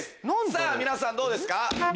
さぁ皆さんどうですか？